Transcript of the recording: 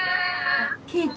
ケーキ。